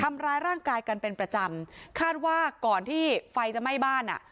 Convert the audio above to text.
ทำร้ายร่างกายกันเป็นประจำคาดว่าก่อนที่ไฟจะไหม้บ้านอ่ะ